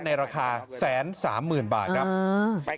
ในราคาแสนสามหมื่นบาทครับ